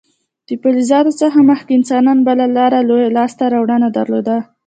د فلزاتو څخه مخکې انسانانو بله لویه لاسته راوړنه درلوده.